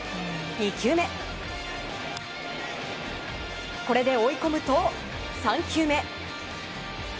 ２球目、これで追い込むと３球目。